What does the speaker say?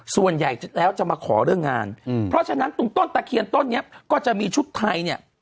ส่วนใหญ่แล้วจะมาขอเรื่องงานเพราะฉะนั้นตรงต้นตะเคียนต้นนี้ก็จะมีชุดไทยเนี่ย